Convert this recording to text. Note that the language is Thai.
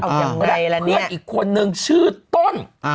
กับเพื่อนอีกคนนึงชื่อต้น